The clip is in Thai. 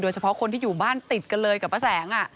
เฉพาะคนที่อยู่บ้านติดกันเลยกับป้าแสง